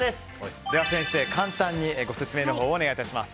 先生、簡単にご説明のほうお願いします。